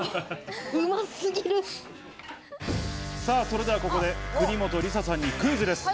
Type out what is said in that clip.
うますそれではここで国本梨紗さんにクイズです。